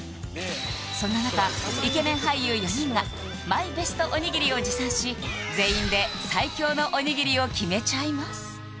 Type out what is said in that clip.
そんな中イケメン俳優４人がマイベストおにぎりを持参し全員で最強のおにぎりを決めちゃいます